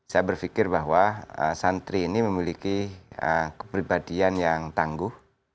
saya berpikir bahwa santri ini memiliki kepribadian yang tangguh